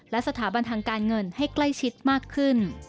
และสถาบันทางการเงินให้ใกล้ชิดมากขึ้น